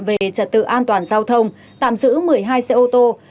về trật tự an toàn giao thông tạm giữ một mươi hai xe ô tô